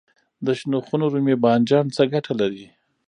د شنو خونو رومي بانجان څه ګټه لري؟